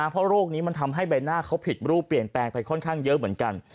เพราะโรคนี้มันทำให้ใบหน้าเขาผิดรูปเปลี่ยนแปลงไปค่อนข้างเยอะเหมือนกัน